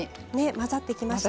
混ざってきましたね。